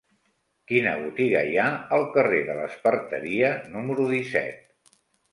Quina botiga hi ha al carrer de l'Esparteria número disset?